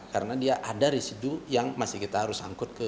karena dia ada residu yang masih kita harus angkut ke tpa